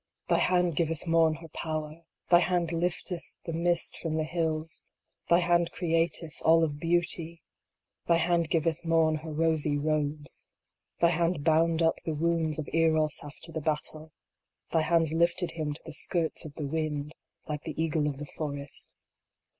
Thy hand giveth Morn her power ; Thy hand lifteth the mist from the hills ; Thy hand createth all of Beauty ; Thy hand giveth Morn her rosy robes ; Thy hands bound up the wounds of Eros after the battle : Thy hands lifted him to the skirts of the wind, like the eagle of the forest.